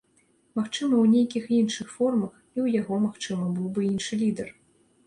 Магчыма, у нейкіх іншых формах, і ў яго, магчыма, быў бы іншы лідар.